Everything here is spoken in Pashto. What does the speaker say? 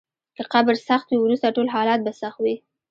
که قبر سخت وي، وروسته ټول حالات به سخت وي.